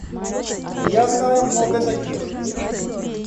И я знаю много таких.